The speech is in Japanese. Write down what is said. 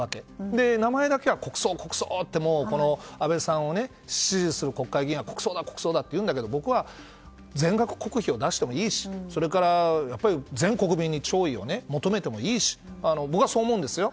で、名前だけは国葬、国葬って安倍さんを支持する国会議員は国葬だ、国葬だって言うんだけども僕は、全額国費を出してもいいしそれから、全国民に弔意を求めてもいいと僕はそう思うんですよ。